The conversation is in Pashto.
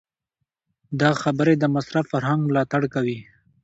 دا خبرې د مصرف فرهنګ ملاتړ کوي.